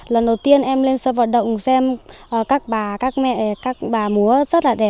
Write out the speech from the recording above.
lần đầu tiên em lên sân vận động xem các bà các mẹ các bà múa rất là đẹp